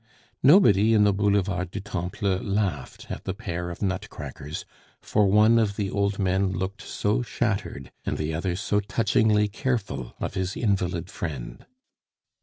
Nobody in the Boulevard du Temple laughed at the "pair of nutcrackers," for one of the old men looked so shattered, and the other so touchingly careful of his invalid friend.